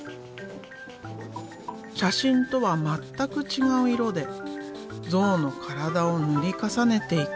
写真とは全く違う色でゾウの体を塗り重ねていく。